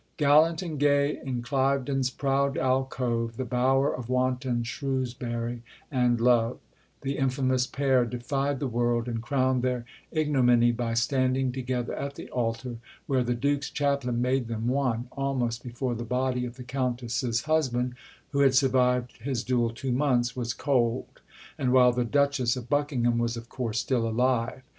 "Gallant and gay, in Clieveden's proud alcove, The bower of wanton Shrewsbury and love," the infamous pair defied the world, and crowned their ignominy by standing together at the altar, where the Duke's chaplain made them one, almost before the body of the Countess's husband (who had survived his duel two months) was cold, and while the Duchess of Buckingham was, of course, still alive.